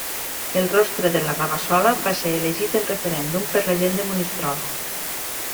El rostre de la Rabassola va ser elegit en referèndum per la gent de Monistrol.